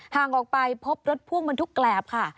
ห่างออกไปพบรถพ่วงบรรทุกแกรบค่ะ